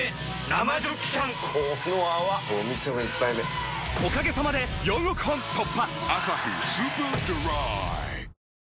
生ジョッキ缶この泡これお店の一杯目おかげさまで４億本突破！